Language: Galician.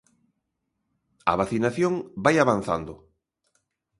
A vacinación vai avanzando.